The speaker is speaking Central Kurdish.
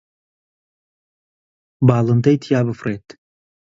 باڵندەی تیا بفڕێت